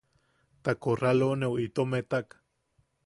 Ta korraloneu itom etak.